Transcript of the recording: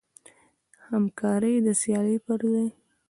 همکاري د سیالۍ پر ځای.